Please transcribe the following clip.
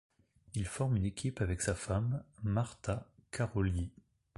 Il forme une équipe avec sa femme, Márta Károlyi.